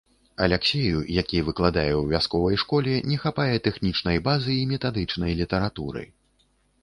Аляксею, які выкладае ў вясковай школе, не хапае тэхнічнай базы і метадычнай літаратуры.